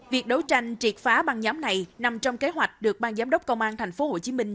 việc đấu tranh triệt phá băng nhóm này nằm trong kế hoạch được băng giám đốc công an thành phố hồ chí minh